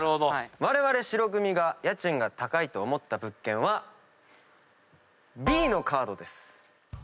われわれ白組が家賃が高いと思った物件はＢのカードです。